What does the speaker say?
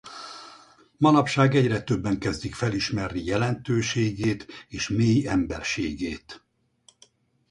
Manapság egyre többen kezdik felismerni jelentőségét és mély emberségét.